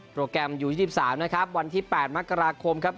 แกรมอยู่๒๓นะครับวันที่๘มกราคมครับ